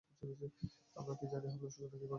আমরা কি জানি হামলার সূচনা কে করেছে?